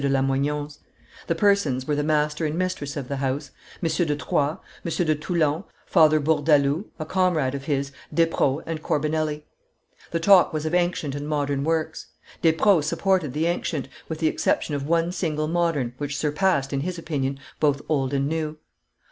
de Lamoignon's: the persons were the master and mistress of the house, M. de Troyes, M. de Toulon, Father Bourdaloue, a comrade of his, Desprdaux, and Corbinelli. The talk was of ancient and modern works. Despreaux supported the ancient, with the exception of one single modern, which surpassed, in his opinion, both old and new.